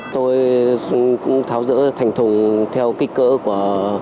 tôi cũng tháo rỡ thành thùng theo kích cỡ của